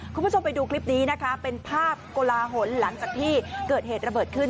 คุณผู้ชมไปดูคลิปนี้นะคะเป็นภาพโกลาหลหลังจากที่เกิดเหตุระเบิดขึ้น